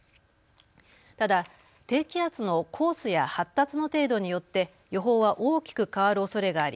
ただ低気圧のコースや発達の程度によって予報は大きく変わるおそれがあり